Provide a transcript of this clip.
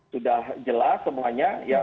sudah jelas semuanya ya